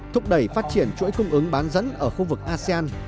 thúc đẩy phát triển chuỗi cung ứng bán dẫn ở khu vực asean